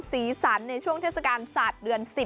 สีสันในช่วงเทศกาลศาสตร์เดือน๑๐